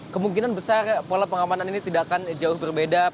kemungkinan besar pola pengamanan ini tidak akan jauh berbeda